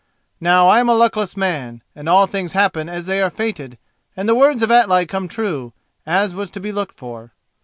Now I am a luckless man, and all things happen as they are fated, and the words of Atli come true, as was to be looked for.